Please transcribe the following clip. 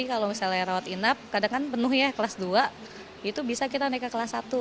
kalau misalnya rawat inap kadang kan penuh ya kelas dua itu bisa kita naik ke kelas satu